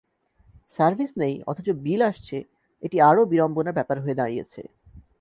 Service নেই অথচ bill আসছে, এটি আরও বিড়ম্বনার ব্যাপার হয়ে দাঁড়িয়েছে।